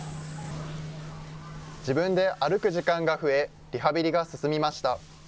自分で歩く時間が増え、リハビリが進みました。